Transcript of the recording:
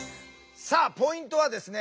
さあポイントはですね